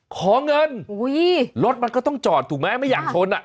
ขอเงินรถมันก็ต้องจอดถูกไหมไม่อยากชนอ่ะ